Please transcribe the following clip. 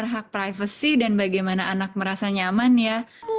hak privacy dan bagaimana anak merasa nyaman ya